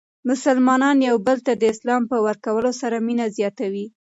مسلمانان یو بل ته د سلام په ورکولو سره مینه زیاتوي.